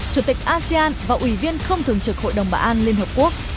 chủ tịch asean và ủy viên không thường trực hội đồng bảo an liên hợp quốc